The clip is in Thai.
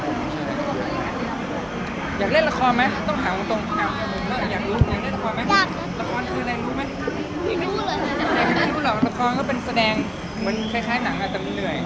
ผู้หรอกละครก็เป็นแสดงเหมือนไหนเป็นเหมือนมีหนังอาจจะเหนื่อย